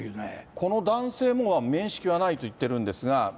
この男性も面識はないと言ってるんですが。